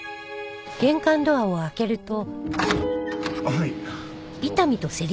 はい。